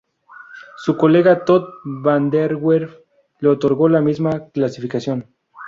Su colega, Todd VanDerWerff, le otorgó la misma clasificación.